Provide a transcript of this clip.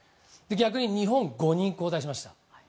逆に日本５人交代しました。